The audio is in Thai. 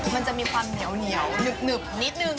มันจะมีความเหนียวหนึบนิดนึง